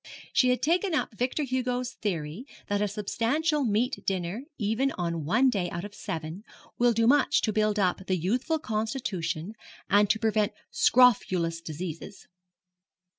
She had taken up Victor Hugo's theory that a substantial meat dinner, even on one day out of seven, will do much to build up the youthful constitution and to prevent scrofulous diseases.